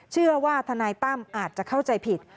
เชื่อว่าทนายตั้มอาจจะเข้าใจผิด